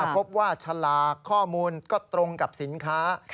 พบว่าฉลากข้อมูลก็ตรงกับสินค้า